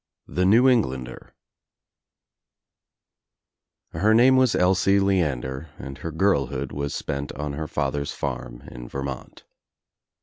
THE NEW ENGLANDER TJER name was Elsie Lcander and her girlhood was spent on her father's farm in Vermont.